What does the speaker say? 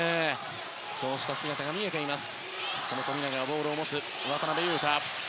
そうした姿が見えています。